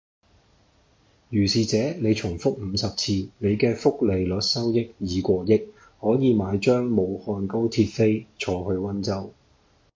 如是這你重複五十次，你既複利率收益已過億，可以買張武漢高鐵飛坐去溫州